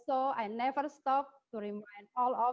saya tidak berhenti mengingatkan